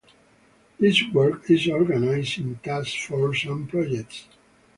This work is organised in task forces and projects.